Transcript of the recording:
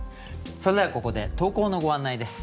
それではここで投稿のご案内です。